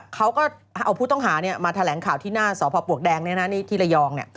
เขาก็เอาผู้ต้องหามาแถลงข่าวที่หน้าสพปลวกแดงที่ระยอง